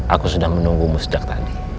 aku sudah menunggumu sejak tadi